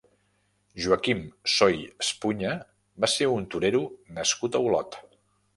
Joaquim Soy Espuña va ser un torero nascut a Olot.